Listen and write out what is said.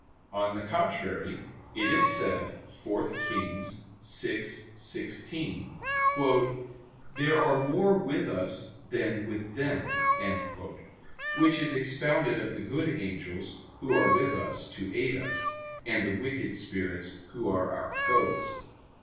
On the contrary, It is said (4 Kings 6:16): "There are more with us than with them": which is expounded of the good angels who are with us to aid us, and the wicked spirits who are our foes.